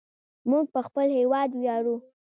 موږ په خپل هیواد ویاړو.